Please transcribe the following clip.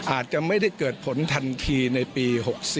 อาจจะไม่ได้เกิดผลทันทีในปี๖๔